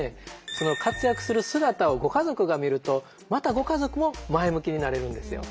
その活躍する姿をご家族が見るとまたご家族も前向きになれるんですよ。